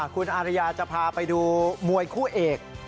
คุณอาริยาจะพาไปดูมวยคู่เอก